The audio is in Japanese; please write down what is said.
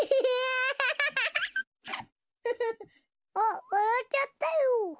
あっわらっちゃったよ。